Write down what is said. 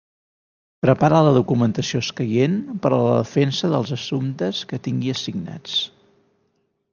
Prepara la documentació escaient per a la defensa dels assumptes que tingui assignats.